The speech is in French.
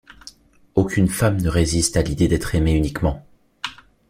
Aucune femme ne résiste à l’idée d’être aimée uniquement.